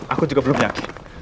aku juga belum yakin